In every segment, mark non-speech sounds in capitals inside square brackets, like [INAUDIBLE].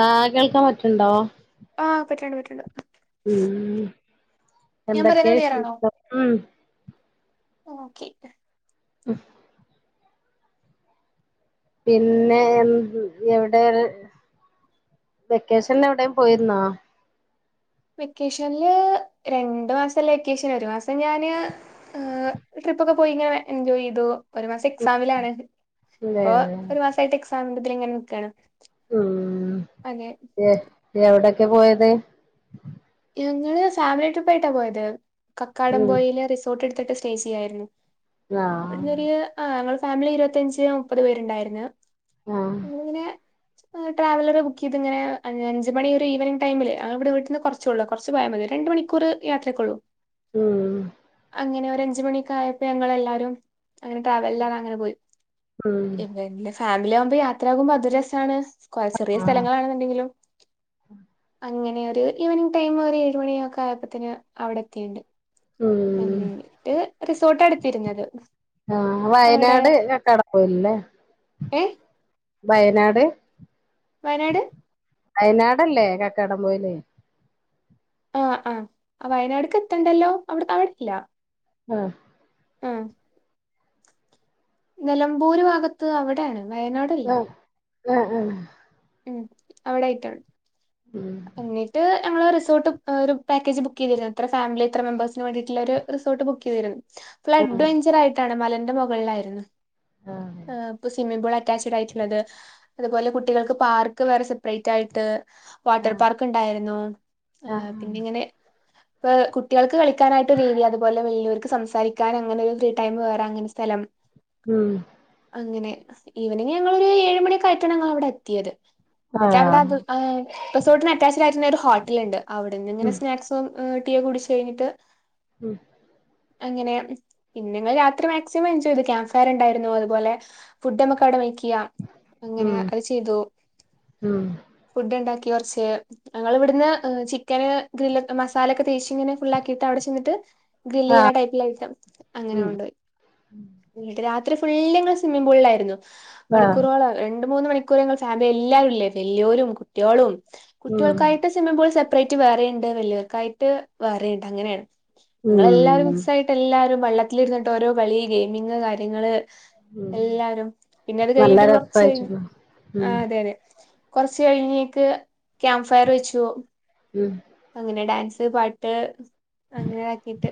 ആ കേൾക്കാൻ പറ്റ്ണ്ടോ ആഹ് [UNINTELLIGIBLE] ഉം ഞാൻ എന്തൊ കേ പറയുന്നത് ക്ലിയറാണോ [UNINTELLIGIBLE] മ് ഓക്കെ ഉം പിന്നെ എ എവിടെ വെക്കേഷൻ എവിടെയും പോയിരുന്നോ വെക്കേഷനില് രണ്ടു മാസല്ല വെക്കേഷൻ ഒരു മാസം ഞാന് ട്രിപ്പ ഒക്കെ പോയി ഇങ്ങനെ എൻജോയ് ചെയ്തു ഒരു മാസം എക്സാമിലാണ് ഇല്ലേ ഇപ്പൊ ഒരു മാസമായിട്ട് എക്സാമി ന്റെ അതില് ങ്ങനെ നിക്കാണ് ഉം അതെ എ എവിടെ ഒക്കെ പോയത് ഞങ്ങള് ഫാമിലി ട്രിപ്പ് ആയിട്ടാ പോയത് ഉം കക്കാടംമ്പോയിലെ റിസോർട്ട് ട്ത്ത്ട്ട് സ്റ്റെ ചെയ്‌യായിരുന്നു ആഹ് [UNINTELLIGIBLE] ആ ഫാമിലി ഇരുപത്തിയഞ്ച് മുപ്പത് പേരുണ്ടായിരുന്നു ആഹ് ഇങ്ങനെ ട്രാവലർ ബുക്ക് ചെയ്ത് ഇങ്ങനെ അ അഞ്ച് മണി ഒരു ഈവനിംഗങ് ടൈമില് അവിടെ വീട്ടിൽന്ന് കുറ കു കുറച്ച് പോയാൽ മതി രണ്ട് മണിക്കൂർ യാത്രയ്ക്കുള്ളൂ ഉം അങ്ങനെ ര അഞ്ച് മണിഒക്കെആയപ്പോ ഞങ്ങളെല്ലാരും അങ്ങനെട്രാവൽല്ലാ അങ്ങനെ പോയി ഉം ഇല്ല ഇല്ല ഫാ ലാവുമ്പോ യാത്ര ആകുമ്പോ അത് രസാണ്. സ് ചെറിയ ആഹ് സ്ഥലങ്ങളണെന്നുണ്ടെങ്കിലും അങ്ങനെ ഈവനിങ്ങ് ടൈം ഒരു ഏഴ് മണിയൊക്കെ ആയപ്പത്തിന് അവിടെ എത്തിണ്ട്. ഉം എങ്ങനെ [UNINTELLIGIBLE] റിസോർട്ട എടുത്തിരുന്നത്. ആ അവിടെ വയനാട് കക്കാടംപൊയിലല്ലേ ഏ വയനാട്. വയനാട് വയനാടല്ലേ കക്കാടം പൊയില്. ആ ആ വയനാട്ക്ക് എത്തണ്ടല്ലോ അവിടെ അവിടെല്ല. ആ ആ നിലമ്പൂര് ഭാഗത്ത് അവിടെയാണ്. വയനാടല്ല. ഉം ഉം ഉം അവിടെയിട്ടോ. ഉം എന്നിട്ട് ഞങ്ങള് റിസോർട്ട് ഒരു പാക്കേജ് ബുക്ക് ചെയ്തിരുന്നു. ഇത്ര ഫാമിലി ഇത്ര മെമ്പേഴ്സിന് വേണ്ടീട്ടുള്ള ഒരു റിസോർട്ട് ബുക്ക് ചെയ്തിരുന്നു. ഫ് ആഹ് അഡ്വെഞ്ചർ ആയിട്ടാണ് മല ന്റെ മുകളിലായിരുന്നു. ആഹ് ഏഹ് ഇപ്പോ സ്വിമ്മിംഗ് പൂൾ അറ്റാച്ചഡ് ആയിട്ടുള്ളത്. അതുപോലെ കുട്ടികൾക്ക് പാർക്ക് വേറെ സെപ്പറേറ്റ് ആയിട്ട്. വാട്ടർ പാർക്ക് ഉണ്ടായിരുന്നു ആഹ് ആഹ് പിന്നെങ്ങിനെ ഇപ്പ കുട്ടികൾക്ക് കളിക്കാനായിട്ട് ഒരു രീതി അതുപോലെ വലിയവർക്ക് സംസാരിക്കാൻ അങ്ങനെ ഒരു ഫ്രീ ടൈം വേറെ അങ്ങനെ സ്ഥലം. ഉം അങ്ങനെ ഈവനിങ് ഞങ്ങളൊരു ഏഴ് മണിയൊക്കായിട്ടാണ് ഞങ്ങൾ അവിടെ എത്തിയത്. ന്നെട്ടവിടെ ആഹ് അത് ആ റിസോർട്ടിന് അറ്റാച്ചഡ് ആയിട്ടന്നെ ഒരു ഹോട്ടലുണ്ട്. അവിടെന്ന്ങ്ങനെ ഉം സ്നാക്സും ടീ കുടിച്ച് കഴിഞ്ഞിട്ട് ഉം അങ്ങനെ പിന്നെ ഞങ്ങൾ രാത്രി മാക്സിമം എൻജോയ് ചെയ്ത് ക്യാമ്പ് ഫയർണ്ടായിരുന്നു അതുപോലെ ഫുഡ് നമ്മുക്ക് അവിടെ അങ്ങനെ ഉം അത് ചെയ്തു ഉം ഫുഡ് ണ്ടാ കുറച്ച് ഞങ്ങൾ ഇവിടുന്ന് ചിക്കന് ഗ്രില്ല് മസാലൊക്കെ തേച്ച് ഇങ്ങനെ ഫുള്ളാക്കിയിട്ട് അവിടെ ചെന്നിട്ട് ഗ്രിൽ ആഹ് ചെയ്യണ ടൈപ്പിൽ [UNINTELLIGIBLE] അങ്ങനെ ഉം കൊണ്ടോയി. എന്നിട്ട് രാത്രി ഫുള്ള് ഞങ്ങള് സ്വിമ്മിങ് പൂളിലായിരുന്നു. ആഹ് മണിക്കൂറോളം രണ്ട് മൂന്ന് മണിക് കുരങ്ങൾച്ചാ അതെ എല്ലാരുംല്ലേ വല്യോരും കുട്യോളും ഉം കുട്ടികൾക്കായിട്ട് സിമ്മിങ് പൂൾ സെപ്പറേ റ്റ് വേറെയുണ്ട് വെല്യോർക്കായിട്ട് വേറെയുണ്ട് അങ്ങനെയാണ് ഞങ്ങളെല്ലാരും ഉം മിക്സ് ആയിട്ട് എല്ലാരും വെള്ള വിട്ടിലിരുന്നിട്ട്ഓരോ കളി ഗെയിമിംഗ് കാര്യങ്ങള് ഉം എല്ലാരും പിന്നെ അത് നല്ല കഴിഞ്ഞിട്ടൊരു കൊർച്ച് രസായിട്ട്ണ് ഉം ആ അതെ അതെ കുറച്ച് കഴിഞ്ഞേക്ക് ക്യാമ്പ് ഫയർ വെച്ചു ഉം അങ്ങനെ ഡാൻസ് പാട്ട് അങ്ങനെ ആക്കിട്ട്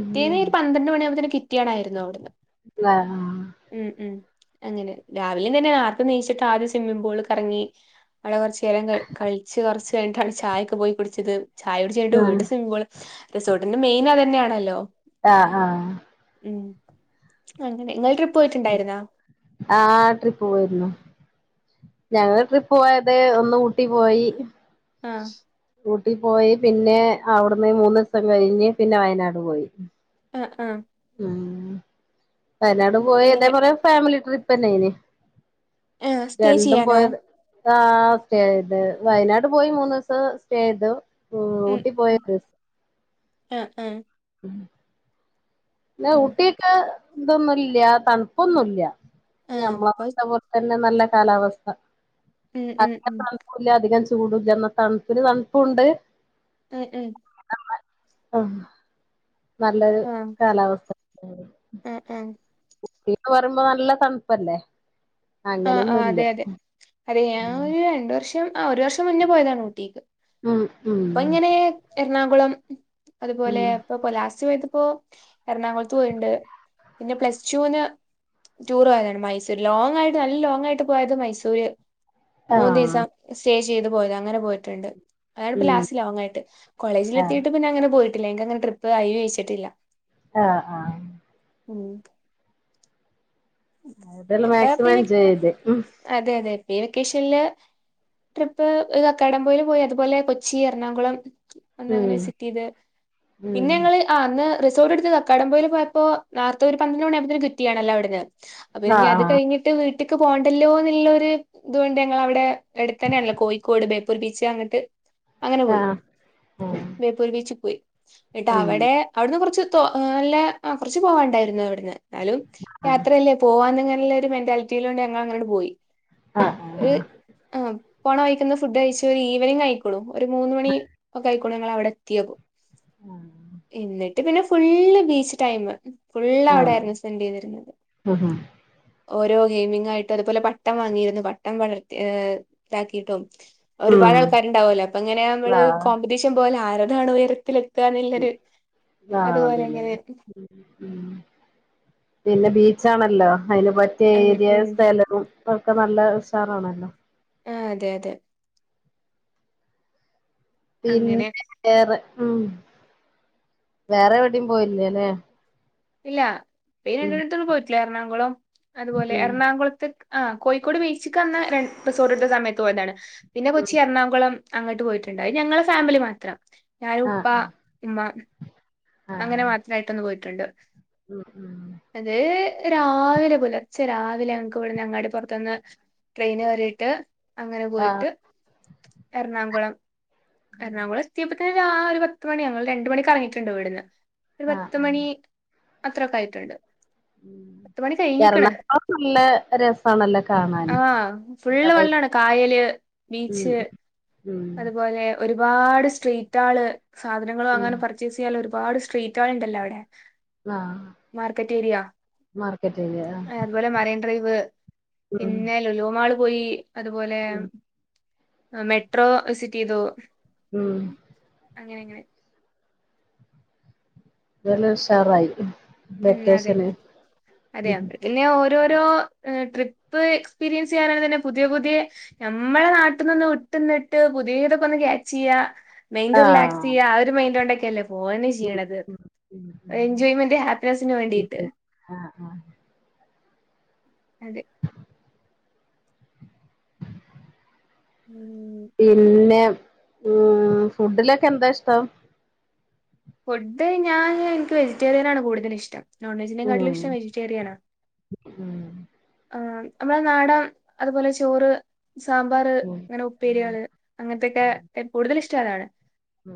ഉം ഒരു പന്ത്രണ്ട് മണിയാവുമ്പോത്തെന് ക്വിറ്റിയിണായിരുന്നു അവിടുന്ന് ആഹ് ഉം ഉ അങ്ങനെ രാവിലും തന്നെ നേർത്തെ എണീച്ചിട്ട് ആദ്യം സ്വിമ്മിംഗ് പൂളിൽ കറങ്ങി അവിടെ കുറച്ചു നേരം ക കളിച്ച് കുറച്ച് കഴിഞ്ഞിട്ടാണ് അവിടെ ചായൊക്കെ പോയി കുടിച്ചത് ചായകുടിച്ചയ്ഞ്ഞിട്ട് ആഹ് വീണ്ടും സ്വിമ്മിംഗ് പൂൾ റിസോർട്ടിന്റെ മെയിൻ അത് തന്നെയാണല്ലോ ആഹ ആഹ് ഉ അങ്ങനെ നിങ്ങ ആ ട്രിപ്പ് പോയിരുന്നു ഞങ്ങള് ട്രിപ്പ് പോയത് ഒന്ന് ഊട്ടി പോയി ആഹ് ഊട്ടി പോയി പിന്നെ അവിടുന്ന് മൂന്ന് ദിവസം കഴിഞ്ഞ് പിന്നെ വയനാട് പോയി ആ ആ ഉം വയനാട് ഉം പോയി ഇതേ എങ്ങനെ പോലെ ഫാമിലി ട്രിപ്പ് [UNINTELLIGIBLE] ആ സ്റ്റേ ചെയ്യാനോ ആ സ്റ്റേ ചെയ്ത് വയനാട് പോയി മൂന്നു ദിവസം സ്റ്റേ ചെയ്തു ഉ ഊട്ടി പോയിട്ടും ആഹ ആഹ പിന്നെ ഉം ഊട്ടിയൊക്കെ ഇതൊന്നുമില്ല തണുപ്പൊന്നുല്ല്യ ആഹ് ഞമ്മള് അപ്പൊ [UNINTELLIGIBLE] പിന്നെ നല്ല കാലാവസ്ഥ ഉം ഉം ഉം ചൂട് ഇല്ല എന്ന തണുപ്പിന് തണുപ്പുണ്ട് ഉം ഉം ആഹ നല്ലൊരു ആഹ് കാലാവസ്ഥ ആഹ് ആഹ് ഊട്ടിന്ന് പറയുമ്പോ നല്ല തണുപ്പല്ലേ ആഹ് ആഹ് അതെ അങ്ങനൊന്നുല്ല അതെ [UNINTELLIGIBLE] ഒരു രണ്ടു വർഷം ആ ഒരു വർഷം മുന്നേ പോയതാണ് ഊട്ടീക്ക് ഉം ഉം ണാകുളം അതുപോലെ ഉം ഇപ്പ ലാസ്റ്റ് [UNINTELLIGIBLE] ഇപ്പോ എറണാകുളത്ത് പോയിണ്ട് പിന്നെ പ്ലസ് ടുന്ന് ടൂർ പോയതാണ് മൈസൂർ ലോങ് ആയി- നല്ല ലോങ് ആയിട്ട് പോയത് മൈസൂര് മൂന്ന് ആഹ് ദിസം [UNINTELLIGIBLE] [UNINTELLIGIBLE] പോയത് അങ്ങനെ പോയിട്ട്ണ്ട് അതാണ് ഇപ്പൊ ഉം ലാസ്റ്റ് ലോങ്ങായിട്ട് കോളേജിൽ ആഹ് എത്തിയിട്ട് പിന്നെ അങ്ങനെ പോയിട്ട് [UNINTELLIGIBLE] അങ്ങന ട്രിപ്പ് അയി വെച്ചിട്ടില്ല ആ ആ ഉം അതെല്ലാം ഇപ്പ മാക്സിമം പിന്നെ എൻജോയ് ചെയ്ത് അതെ അതെ ഇപ്പ ഈ വെക്കേഷനില് ട്രിപ്പ് കക്കാഡം പൊയിയില് പോയി അതുപോലെ കൊച്ചി എറണാകുളം അന്ന് അങ്ങനെ ഉം വിസിറ്റ് ചെയ്ത് പിന്നെ ഉം ഞങ്ങള് ആ അന്ന് റിസോർട്ട് എടുത്ത് കക്കാംടംപുഴയില് പോയപ്പോ നാത്തൂ [UNINTELLIGIBLE] കുറ്റിയണല്ലോവിടന്ന് അപ്പൊ നി അത് ആഹ് കഴിഞ്ഞിട്ട് വീട്ട്ക്ക് പോണ്ടല്ലോ ന്ന്ള്ളൊരു ഇത്കൊണ്ട് ഞങ്ങള അവിടെ അടുത്തെന്നെയാണല്ലോ കോയിക്കോട് ബേപ്പൂർ ബീച്ച് അങ്ങട്ട് അങ്ങനെ പോയി ആഹ് ആഹ് ബേപ്പൂർ ബീച്ചിൽ പോയി ന്നട്ട ഉം അവെടെ അവിടുന്ന് കൊറച്ച് നല്ല കുറച്ച് പോവാണ്ടായിരുന്നു അവിടുന്ന് എന്നാലും ആഹ് അത്രല്ലേ പോവാൻങ്ങട്ട് മെന്റാലിറ്റിയിലോണ്ട് ഞങ്ങ അങ്ങട്ട് പോയി ആഹ് ഏ ആഹ് പോണ വഴിക്കന്ന് ഫുഡ് കഴിച്ച് ഒരു ഈവനിങ് ആയിക്കുണ് ഒരു മൂന്നുമണി ഒക്കെ ആയിക്കുണ് ഞങ്ങളവിടെ എത്തിയപ്എന്നിട്ട് പിന്നെ ഫുള്ള് ബീച്ച് ടൈം ഫുള്ള് അവിടെ ആരുന്നു സെപെൻഡ് ചെയ്തിരുന്നത് ആഹ ഹ ഓരോ ഗെയിമിംഗ ആയിട്ടും അതുപോലെ പട്ടം വാങ്ങിയിരുന്നു പട്ടം വളർത്തി് ഇതാക്കിയിട്ടും ഉം ഒരുപാട് ആൾക്കാരുണ്ടാവലോ അപ്പൊ ഇങ്ങനെ നമ്മള് കോമ്പറ്റീഷൻ പോലെ ആ അതാണ് ഉയരത്തില ആ പിന്നെ ഇങ്ങനെ പിന്നെ ബ ചാണല്ലോ അതിന് പറ്റിയ ഉം ഏരിയ ഉം സ്ഥലവും ഒക്കെ നല്ല ഉഷാറണല്ലോ ആ അതെ അതെ പിന്നെ അങ്ങനെ വേറെ ഉം വേറെ എവിടെയും പോയില്ലേല്ലേ ഇല്ല പി രണ്ടുപത്തോും [UNINTELLIGIBLE] പോയിട്ടില്ല എറണാകുളം അതുപോലെ ഉം എറണാകുളത്ത് ആ കോഴിക്കോട് ബീച്ചിക്ക്ന്ന് ര ബസോറിട്ട സമയത്ത് പോയതാണ് പിന്നെ കൊച്ചി എറണാകുളം അങ്ങോട്ട് പോയിട്ടുണ്ടായി ഞങ്ങളെ ഫാമിലി മാത്രം ഞാരൂപ്പ ആഹ് ഉമാ ആഹ് അങ്ങനെ ആഹ് മാത്രമായിട്ട് ഒന്ന് പോ ണ്ട് ഉം ഉം അത് രാവിലെ പുലർച്ചെരാ രാവില ഞങ്ങക്ക് ഇവിടുന്ന് അങ്ങാടി പുറത്തുന്ന് ട്രെയിൻ വരയിട്ട് അങ്ങനെ ആഹ് പോയിട്ട് എറണാകുളം എറണാകുളത്തി ഒരു പത്ത് മണി ഞങ്ങൾ രണ്ട മണി ഇറങ്ങിയിട്ടുണ്ട് വീടിന്ന് ആഹ് ഒരുപത്ത് മണി അത്രൊക്കയിട്ടുണ്ട് ഉ എറണാകുളം നല്ല രസണല്ലോ കാണാന് ആഹ് ഫുള്ള് നല്ല വെള്ളാണ് കായല് ഉ ബീച്ച് ഉ അതുപോലെ ഒരുപാട് സ്ട്രീറ്റ് ആള് സാധനങ്ങളൾ ഉം അങ്ങനെ പർച്ചേസ് ചെയ്യാൽ രുപാട് സ്ട്രീറ്റുകൾ ഉണ്ടല്ലോ അവിടെ ആഹ് മാർക്കറ്റ് ഏരിയ മാർക്കറ്റില് ആഹ് അതുപോലെ മറൈൻ ഡ്രൈവ് ഉം പിന്നെ ലുലുവമാൾ പോയി അതുപോലെ ഉം ആ മെട്രോ വിസിറ്റിതു ഉം അങ്ങനെങ്ങനെ എന്തുവാലും ഉഷാറായി ഉം അതെ വെക്കേഷന് അതെയോ അപ്പതന്നെ ഓര- ഓരോരോ ട്രിപ്പ് എക്സ്പീരിയൻസ് ചെയ്യാനും തന്നെ പുതിയ പുതിയ നമ്മളെ നാട്ടിന്നൊന്നു വിട്ട് നിന്നിട്ട് പുതിയതൊക്കെ ഒന്ന് ക്യാച്ച് ചെയുക - മൈന്റ് റിലാക്സ് ആഹ് ചെയ്യ ആ ഒരു മൈൻന്റോണ്ടൊക്കെ ഹെലോ ഓനെന്നെ ഈ ഉം ചെയ്യണത് ഉം ഉം എൻജോയ്മെന്റ് ഹാ ടേസ്റ്റിന് ഉം വേണ്ടീട്ട് ഉം ആഹ് ആഹ് അതെ ഉം പിന്നെ മ് ഫുഡിലൊക്കെ എന്താ ഇഷ്ടം ഫുഡ് ഞാന് എനിക്ക് വെജിറ്റേറിയൻ ആണ് കൂടുതലിഷ്ടം. ഉം നോൺവെജിനെകാട്ടിലും ഇഷ്ടം വെജിറ്റേറിയനാ ഉം ആ നമ്മള നാടൻ അതുപോലെ ചോറ് സാമ്പാറ് ഉം അങ്ങനെ ഉം ഉപ്പേരികള് അങ്ങനത്തൊക്കെ ഉം എപ് കൂടുതലിഷ് ട്ടാണ്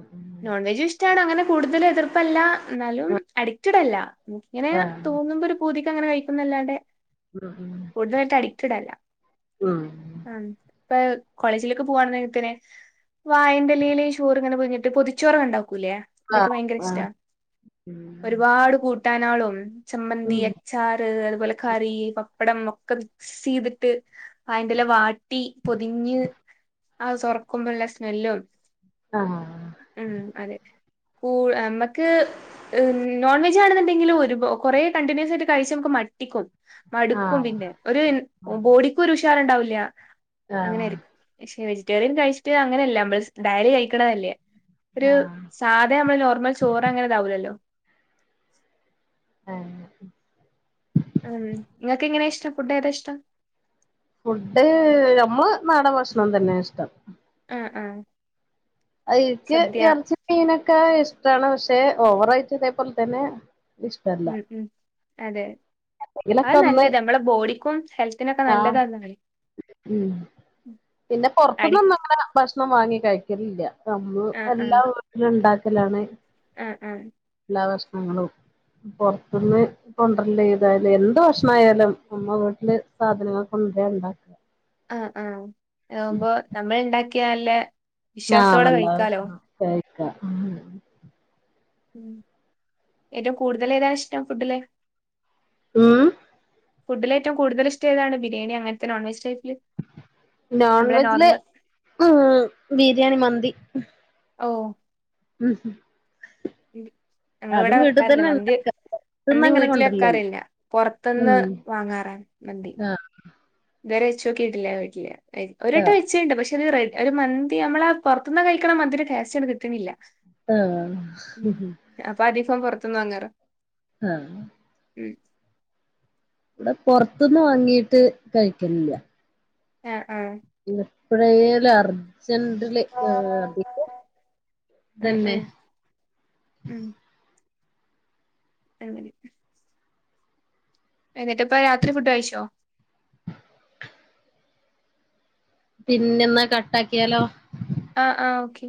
ഉം നോൺ വെജും ഇഷ്ടാണ് അങ്ങനെ കൂടുതൽ എതിർപ്പല്ല എന്നാലും ഉം അഡിക്റ്റഡല്ല ഇങ്ങനെ ആഹ് തോന്നുമ്പോ ഒരു പൂതി അങ്ങനെ കഴിക്കുന്നല്ലാണ്ടെ ഉം കൂടുതലായിട്ട് അഡിക്റ്റ്ടല്ല. ഉം ഉം [INAUDIBLE] ഹ്മ്മ് ഇപ്പ കോളേജിലേക്ക് പോവാണെങ്കി പിന്നെ വാഴന്റെലെല് ചോറിങ്ങനെ പൊതിഞ്ഞിട്ട് പൊതിച്ചോറങ്ങനെണ്ടാ ക്കൂലെ അതൊക്കെ ആഹ് ഭയങ്കരിഷ്ട്ടാ, ആഹ് ഉം ഒരുപാട് കൂട് ട്ടാനെളും. ചമ്മന്തി, ഉം അച്ചാറ് കള് നല്ല കറി, പപ്പ ടം ഒക്കെ മിക്സയിതിട്ട്, വാഴന്റെല വാട്ടി പൊതിഞ്ഞ് ആ തൊറകുമ്പള്ള സ്മെല്ലും. ആഹ് [INAUDIBLE] ഉം അതെ കൂള് നമ്മക്ക് നോൺ വെജ്ജാണെന്നുണ്ടെങ്കിലും ഒരു കൊറെേ കണ്ടിന്യൂസായിട്ട് കഴിച്ച് നമുക്ക് മട്ടിക്കും. മടുക്കും ആഹ് പിന്നെ ഒരു അതെ ബോഡിക്കൊരു ഉഷാ റുണ്ടാവില്ല്യ അങ്ങനെ ആഹ് ആയിരിക്കും. വെജിറ്റേറിയൻ കഴിച്ചിട്ട് അങ്ങനെയല്ല നമ്മൾ ഡെയ്‌ലി കഴിക്കണതല്ലേ ഒരു ആഹ് സാധനമ്മള് നോർമൽ ചോറ് അങ്ങനെ ഇതാവൂലല്ലോ ആഹ് ഉം നിങ്ങക്ക് എങ്ങനെയാ ഇഷ്ടം ഫുഡ് ഏതാ ഇഷ്ടം ഫുഡ് നമ്മൾ നാടൻ ഭക്ഷണം തന്നെയാ ഇഷ്ടം ആ ആഹ് ഇൻക്ക് എറച്ചി മീനൊക്കെ ഇഷ്‌ ടാണ് പക്ഷെ ഓവറയിട്ട് ഇതേപോലെ തന്നെ ഇഷ്ടല്ല ഉം ഉം അതെ അത് എന്തെങ്കിലൊക്കെ ഒന്ന് നല്ലത് നമ്മളെ ബോഡിക്കും ഹെൽത്തിനൊക്കെ ആ നല്ലതാന്നാണ് ഉം പിന്നെ അടി പുറത്തുനിന്ന് ഒന്നും അങ്ങനെ ഭക്ഷണം ഭക്ഷണം വാങ്ങി കഴിക്കലില്ല നമ്മൾ ആ ആ എല്ലാം വീട്ടില് ഉണ്ടാക്കി ത്തിലാണ് ആ ആ എല്ലാ ഭക്ഷണങ്ങളും പൊറത്തുന്ന് കൊണ്ടരില്ല എന്ത് ഭക്ഷണമായാലും നമ്മള വീട്ടില് സാധനങ്ങൾ കൊണ്ടരാ ഉണ്ടാക്ക അ ആ ആകുമ്പോ നമ്മൾ ഉണ്ടാക്കി ക്കാല്ലേ ആഹ നല്ല ഭക്ഷണാ ക്കാ ഉ ഏറ്റവും കൂടുതൽ ഏതാണ് ഇഷ്ടം ഫുഡില് ഉം ഫുഡിലേറ്റവും കടുതൽ ഇഷ്ടമതാണ് ബിരിയാണി അങ്ങത്തെ നോൺവെജ് ടൈപ്പ് നോൺവെജില് ഉം ബിരിയാണി മന്തി. ഓ ഉം ഉ അതും ഞങ്ങളിവിടെ വീട്ടിൽ വെക്കാറില്ല തന്നെ മന്തി ഉണ്ടാക്ക പൊറത്ത്ന്ന് മന്തി അങ്ങനെ വീട്ടിൽ കൊണ്ടരില്ലല്ലോ വെക്കാറില്ല ഉം പൊറത്തുന്ന് വാങ്ങാറാണ് മന്തി ആഹ് ഇത് വരെ വെച്ചോകിട്ടില്ല വീട്ടില് പ്പോ ഒരട്ടം ആഹ് വെച്ചുണ്ട് പക്ഷെ അത് റെഡ് ഒരു മന്തി നമ്മള ആ പൊ റത്തുനിന്ന് കഴിക്കണ മന്തീന്റെ ടേസ്റ്റ് അങ്ങട്ട് കിട്ട്ണില്ല ആ പുറത്തിന്ന വാങ്ങാർ ആഹ മ് ഇവിടെ പൊറത്തുന്ന് വാങ്ങീട്ട് കഴിക്കുന്നില്ല ആ ആഹ് എപ്പഴേലു അർ അർജൻ്റില് ഏഹ് അതികവും ഉം അതന്നെ ഉം ഉം അങ്ങനെ എന്നിട്ട് ഇപ്പ രാത്രി ഫുഡ് കഴിച്ചോ പിന്നെ എന്നാ കട്ട് ആക്കിയാലോ ആഹ് ആഹ് ഓക്കെ